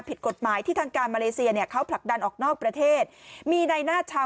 ผิดกฎหมายที่ทางการมาเลเซียเนี่ยเขาผลักดันออกนอกประเทศมีในหน้าชาว